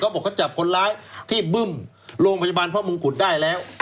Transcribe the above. เขาบอกก็จับคนร้ายที่บึ้มโรงพยาบาลพ่อมงคุณได้แล้ว